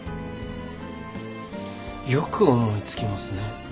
よく思い付きますね